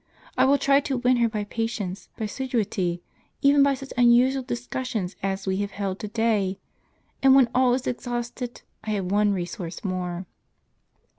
I will try to win her by patience, by assiduity, even by such unusual discussions as we have held to day. And when all is exhausted, I have one resource more."